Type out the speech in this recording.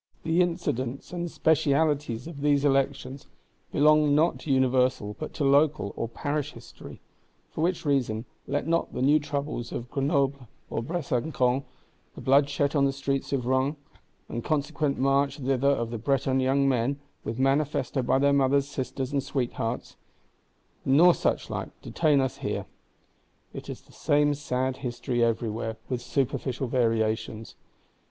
The incidents and specialties of these Elections belong not to Universal, but to Local or Parish History: for which reason let not the new troubles of Grenoble or Besancon; the bloodshed on the streets of Rennes, and consequent march thither of the Breton "Young Men" with Manifesto by their "Mothers, Sisters and Sweethearts;" nor suchlike, detain us here. It is the same sad history everywhere; with superficial variations.